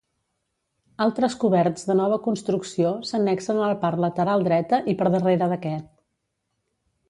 Altres coberts de nova construcció s'annexen a la part lateral dreta i per darrere d'aquest.